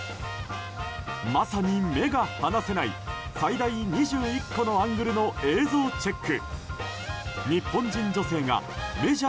まさに目が離せない最大２１個のアングルの映像チェック。